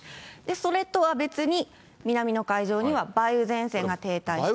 それとは別に、南の海上には梅雨前線が停滞しています。